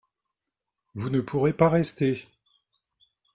vous ne pourrez pas rester.